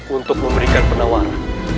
untuk memberikan penawaran